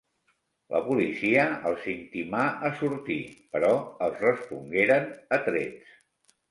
La policia els intimà a sortir, però els respongueren a trets.